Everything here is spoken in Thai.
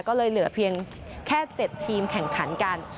ก็เลยเหลือเพียงแค่๗ทีมแข่งขันกัน